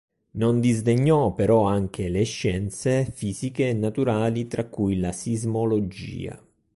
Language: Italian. Non disdegnò però anche le scienze fisiche e naturali, tra cui la sismologia.